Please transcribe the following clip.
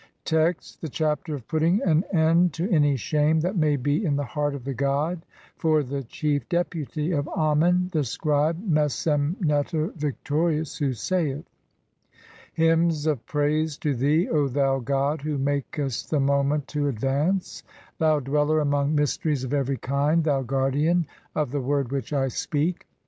Text: (i) The Chapter of putting an end to any SHAME THAT MAY BE IN THE HEART OF THE GOD for the chief deputy of Amen, [the scribe] Mes em neter, victorious, [who saith :—] "Hymns of praise to thee, O thou god who makest the moment "to advance, (2) thou dweller among mysteries of every kind, "thou guardian of the word which I speak.